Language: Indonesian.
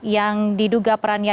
yang diduga perannya